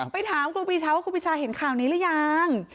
ไปถามครูปีชาว่าครูปีชาเห็นข่าวนี้หรือยัง